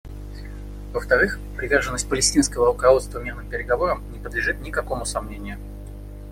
Во-вторых, приверженность палестинского руководства мирным переговорам не подлежит никакому сомнению.